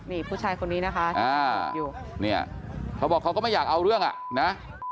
นี่ผู้ชายคนนี้นะคะอยู่เนี่ยเขาบอกเขาก็ไม่อยากเอาเรื่องอ่ะนะ